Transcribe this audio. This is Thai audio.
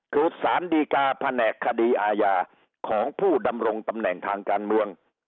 คือสารดีกาแผนกคดีอาญาของผู้ดำรงตำแหน่งทางการเมือง